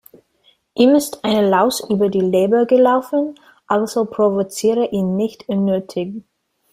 Ihm ist eine Laus über die Leber gelaufen, also provoziere ihn nicht unnötig.